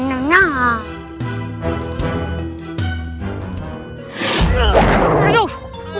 enak enak enak